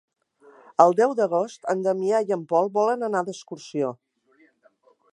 El deu d'agost en Damià i en Pol volen anar d'excursió.